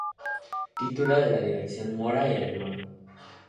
Título de la Disertación: "Mora y Alamán.